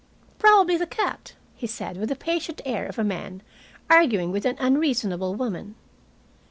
"Probably the cat," he said, with the patient air of a man arguing with an unreasonable woman.